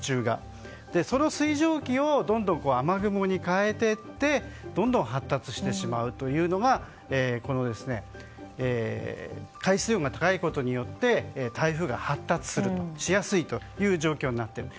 その水蒸気をどんどん雨雲に変えていってどんどん発達してしまうのが海水温が高いことで台風が発達しやすい状況になっている。